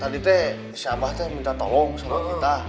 tadi teh si abah minta tolong sama kita